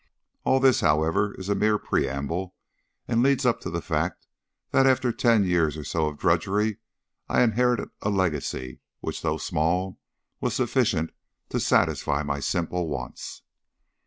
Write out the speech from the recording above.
All this, however, is a mere preamble, and leads up to the fact that after ten years or so of drudgery I inherited a legacy which, though small, was sufficient to satisfy my simple wants.